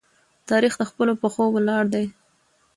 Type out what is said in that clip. تاریخ د خپلو پښو ولاړ دی.